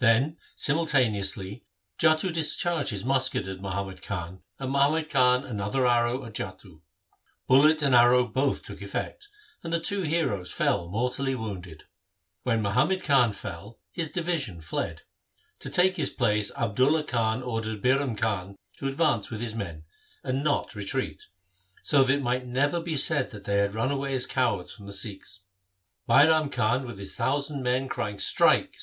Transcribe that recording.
Then simultaneously Jattu dis charged his musket at Muhammad Khan, and Muhammad Khan another arrow at Jattu. Bullet and arrow both took effect, and the two heroes fell mortally wounded. When Muhammad Khan fell, his division fled. To take his place Abdulla Khan ordered Bairam Khan to advance with his men and not retreat, so that it might never be said they had run away as cowards from the Sikhs. Bairam Khan with his thousand men crying ' Strike